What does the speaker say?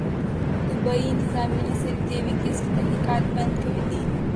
Dubai انتظامیہ نے Sridevi case کی تحقیقات بند کردی